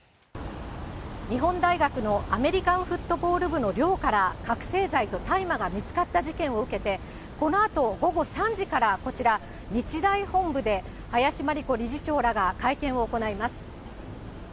日本大学のアメリカンフットボール部の寮から覚醒剤と大麻が見つかった事件を受けて、このあと午後３時から、こちら、日大本部で林真理子理事長らが会見を行います。